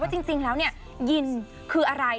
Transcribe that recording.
จริงแล้วยินคืออะไร